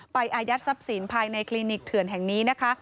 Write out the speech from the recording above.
อายัดทรัพย์สินภายในคลินิกเถื่อนแห่งนี้นะคะ